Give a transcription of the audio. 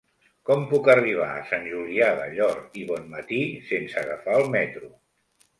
Com puc arribar a Sant Julià del Llor i Bonmatí sense agafar el metro?